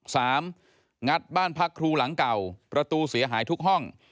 งัดบ้านพักครูหลังเก่าประตูเสียหายทุกห้อง